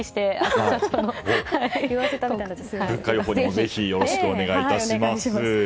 物価予報もぜひ、よろしくお願いします。